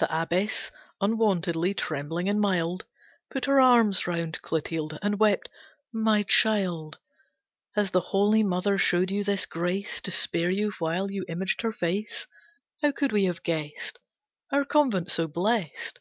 The Abbess, unwontedly trembling and mild, Put her arms round Clotilde and wept, "My child, Has the Holy Mother showed you this grace, To spare you while you imaged her face? How could we have guessed Our convent so blessed!